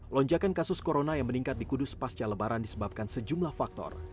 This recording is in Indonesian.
lonjakan kasus corona yang meningkat di kudus pasca lebaran disebabkan sejumlah faktor